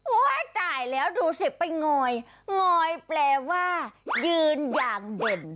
ถ้าจ่ายแล้วดูสิไปงอยงอยแปลว่ายืนอย่างเด่น